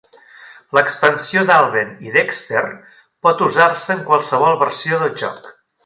L'expansió d'Alvin i Dexter pot usar-se en qualsevol versió del joc.